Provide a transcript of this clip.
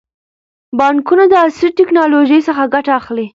بانکونه د عصري ټکنالوژۍ څخه ګټه اخلي.